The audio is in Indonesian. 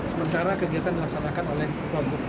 sementara kegiatan dilaksanakan oleh wagub